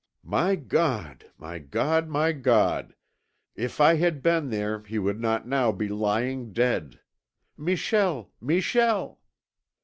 My God! My God! My God! If I had been there he would not now be lying dead. Michel! Michel!"